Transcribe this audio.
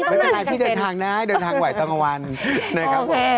ไม่เป็นไรพี่เดินทางน้ายเดินทางไหวตอนกว่าวัน